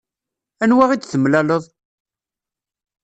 Anwa i d-temlaleḍ?